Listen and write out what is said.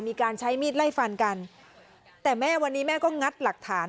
มีการใช้มีดไล่ฟันกันแต่แม่วันนี้แม่ก็งัดหลักฐาน